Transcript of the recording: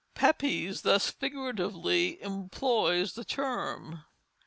Pepys thus figuratively employs the term.